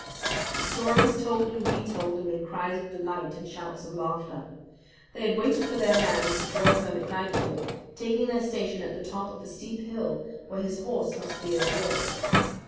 The story was told and retold amid cries of delight and shouts of laughter. They had waited for their man as he drove home at nightfall, taking their station at the top of a steep hill, where his horse must be at a walk.